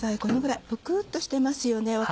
このぐらいぷくっとしてますよね。